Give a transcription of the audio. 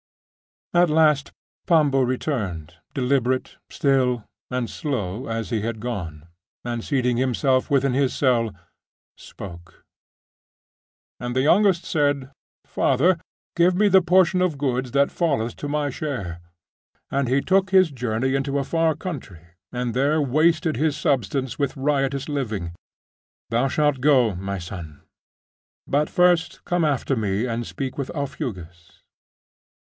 At last Pambo returned, deliberate, still, and slow, as he had gone, and seating himself within his cell, spoke 'And the youngest said, Father, give me the portion of goods that falleth to my share.... And he took his journey into a far country, and there wasted his substance with riotous living. Thou shalt go, my son. But first come after me, and speak with Aufugus.